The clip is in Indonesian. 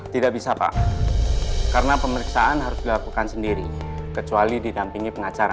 tidak bisa pak karena pemeriksaan harus dilakukan sendiri kecuali didampingi pengacara